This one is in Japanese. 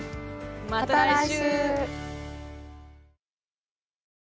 また来週！